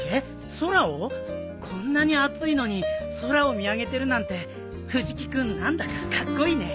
こんなに暑いのに空を見上げてるなんて藤木君何だかカッコイイね。